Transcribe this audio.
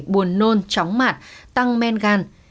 buồn nôn chóng mạt tăng men gan